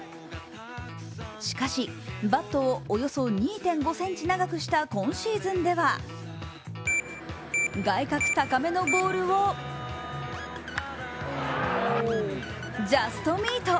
しかし、バットをおよそ２．５ｃｍ長くした今シーズンでは外角高めのボールをジャストミート。